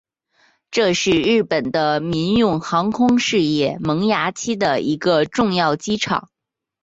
这是日本的民用航空事业萌芽期的一个重要机场。